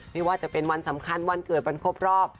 ไม่ว่าจะเป็นวันสำคัญวันเกิดวันครบรอบ